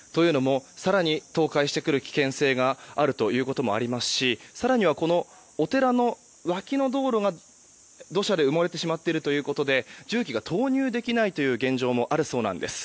更に倒壊してくる危険性があるということもありますし更にはお寺の脇の道路が土砂で埋もれてしまっているということで重機が投入できないという現状もあるそうなんです。